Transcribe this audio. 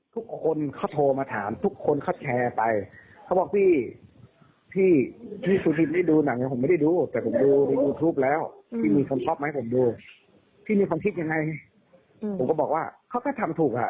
ทุกคนเขาโทรมาถามทุกคนเขาแชร์ไปเขาบอกพี่พี่สุรินได้ดูหนังเนี่ยผมไม่ได้ดูแต่ผมดูในยูทูปแล้วพี่มีคนชอบมาให้ผมดูพี่มีความคิดยังไงผมก็บอกว่าเขาก็ทำถูกอ่ะ